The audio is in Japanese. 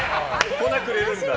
粉くれるんだ。